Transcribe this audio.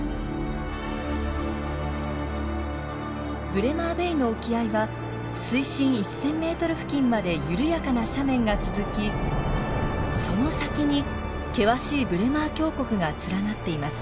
ブレマーベイの沖合は水深１，０００ｍ付近まで緩やかな斜面が続きその先に険しいブレマー峡谷が連なっています。